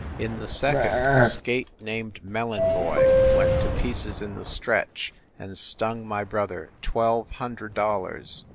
In the second a skate named Melon Boy went to pieces in the stretch and stung my brother twelve hundred dollars.